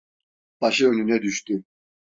Başı önüne düştü.